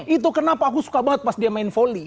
itu kenapa aku suka banget pas dia main volley